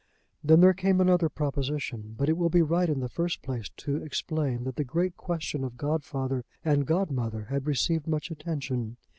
Then there came another proposition. But it will be right in the first place to explain that the great question of godfather and godmother had received much attention.